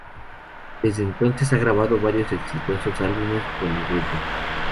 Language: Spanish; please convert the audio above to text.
Desde entonces ha grabado varios exitosos álbumes con el grupo.